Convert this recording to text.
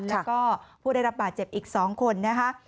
แล้วก็ผู้ได้รับบาดเจ็บอีก๒คนนะคะ